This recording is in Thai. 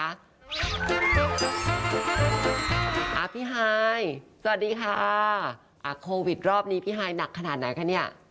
อ่าพี่ไฮสวัสดีค่ะอ่าโควิดรอบนี้พี่ไฮหนักขนาดไหนคะเนี่ย